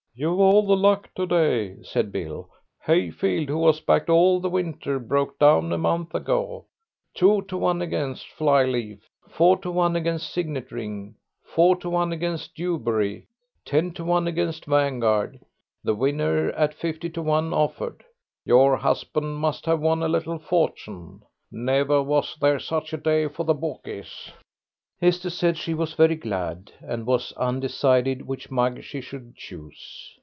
"You've all the luck to day," said Bill. "Hayfield, who was backed all the winter, broke down a month ago.... 2 to 1 against Fly leaf, 4 to 1 against Signet ring, 4 to 1 against Dewberry, 10 to 1 against Vanguard, the winner at 50 to 1 offered. Your husband must have won a little fortune. Never was there such a day for the bookies." Esther said she was very glad, and was undecided which mug she should choose.